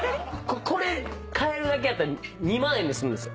これかえるだけだったら２万円で済むんですよ。